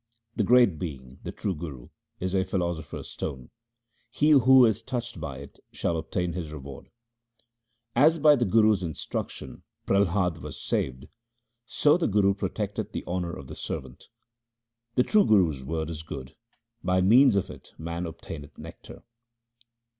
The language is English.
The great being, the true Guru, is a philosopher's stone ; he who is touched by it shall obtain his reward. As by the guru's instruction Prahlad was saved, so the Guru protecteth the honour of the servant. The true Guru's word is good ; by means of it man obtaineth nectar.